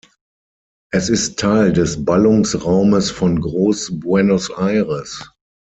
Es ist Teil des Ballungsraumes von Groß Buenos Aires.